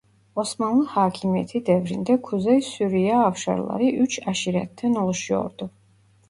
Osmanlı hakimiyeti devrinde Kuzey Suriye Avşarları üç aşiretten oluşuyordu.